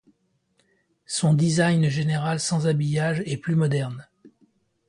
Son design général sans habillage est plus moderne.